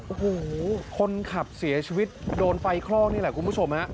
โอ้โหคนขับเสียชีวิตโดนไฟคลอกนี่แหละคุณผู้ชมฮะ